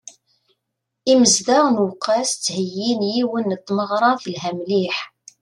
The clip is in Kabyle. Imezdaɣ n uqqas ttheyyin yiwen n tmeɣṛa telha mliḥ.